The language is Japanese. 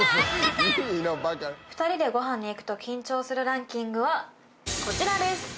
２人でご飯に行くと緊張するランキングはこちらです。